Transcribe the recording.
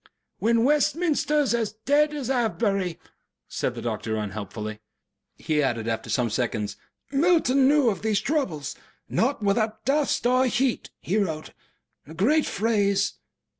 "When Westminster is as dead as Avebury," said the doctor, unhelpfully. He added after some seconds, "Milton knew of these troubles. 'Not without dust and heat' he wrote a great phrase."